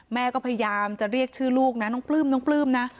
แม่ก็พยายามจะเรียกชื่อลูกนะน้องปลื้มน้องปลื้มนะ